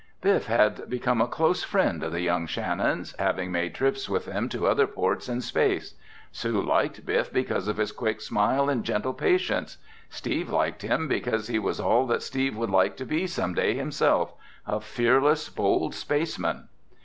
Biff had become a close friend of the young Shannons, having made trips with them to other ports in space. Sue liked Biff because of his quick smile and gentle patience. Steve liked him because he was all that Steve would like to be some day himself—a fearless, bold spaceman.